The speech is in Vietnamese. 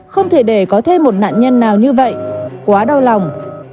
không thể để có thêm một nạn nhân nào như vậy quá đau lòng